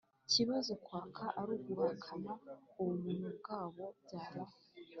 kibazo, kwaba ari uguhakana ubumuntu bwabo. byaba